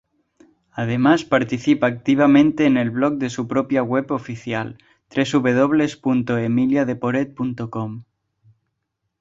Además participa activamente en el blog de su propia web oficial www.emiliadeporet.com.